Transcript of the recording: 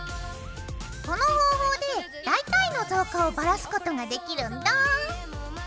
この方法で大体の造花をばらすことができるんだ！